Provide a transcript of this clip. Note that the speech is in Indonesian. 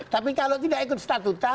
tapi kalau tidak ikut statuta